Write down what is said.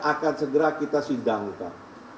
akan segera kita sidangkan